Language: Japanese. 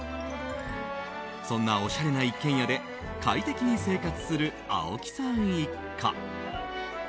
そんなおしゃれな一軒家で快適に生活する青木さん一家。